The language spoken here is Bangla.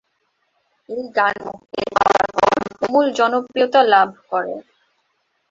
এই গান মুক্তি পাওয়ার পর তুমুল জনপ্রিয়তা লাভ করে।